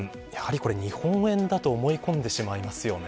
これは日本円だと思い込んでしまいますよね。